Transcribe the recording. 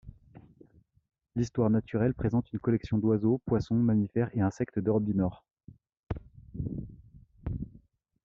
L'histoire naturelle présente une collection d'oiseaux, poissons, mammifères et insectes d'Europe du Nord.